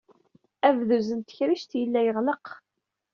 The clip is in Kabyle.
Abduz n tekrict yella yeɣleq.